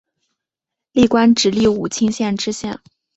历官直隶武清县知县。